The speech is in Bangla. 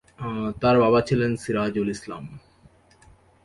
তাঁর বাবা ছিলেন সিরাজুল ইসলাম।